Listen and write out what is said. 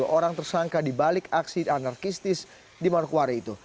sepuluh orang tersangka dibalik aksi anarkistis di manukwari itu